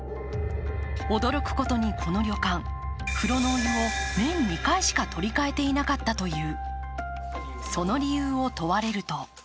驚くことにこの旅館、風呂のお湯を年２回しか取り替えていなかったという。